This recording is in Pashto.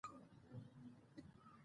روڼتیا بیا د خلکو ترمنځ باور پیاوړی کوي.